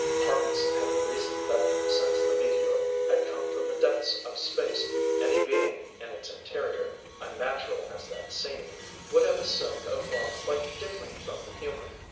Parkinson had reasoned that since the meteor had come from the depths of space, any being in its interior, unnatural as that seemed, would have assumed a form quite different from the human.